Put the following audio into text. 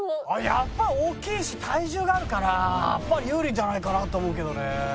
やっぱ大きいし体重があるから有利じゃないかなと思うけどね。